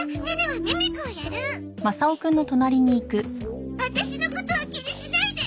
ワタシのことは気にしないで！